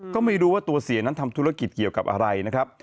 ก็ไม่รู้ว่าตัวเสียนั้นทำธุรกิจเกี่ยวกับอะไรนะครับ